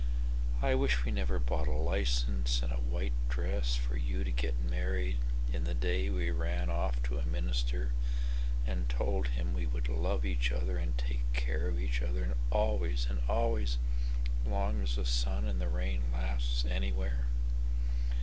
I wish we never bought a license and a white dressFor you to get married in the day we ran off to a ministerAnd told him we would love each other and take care of each otherAlways and always long as the sun and the rain lasts anywhere.